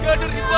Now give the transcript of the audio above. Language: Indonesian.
ya aduh dibawa